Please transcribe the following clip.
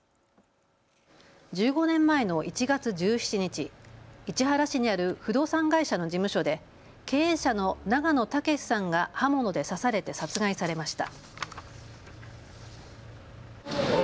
１５年前の１月１７日、市原市にある不動産会社の事務所で経営者の永野武さんが刃物で刺されて殺害されました。